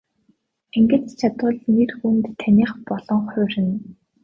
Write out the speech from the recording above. Ингэж чадвал нэр хүнд таных болон хувирна.